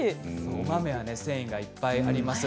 お豆は繊維がいっぱいあります。